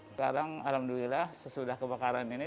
sekarang alhamdulillah sesudah kebakaran ini